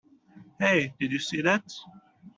Hey! Did you see that?